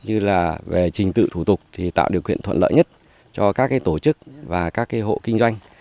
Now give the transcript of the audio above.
như là về trình tự thủ tục thì tạo điều kiện thuận lợi nhất cho các tổ chức và các hộ kinh doanh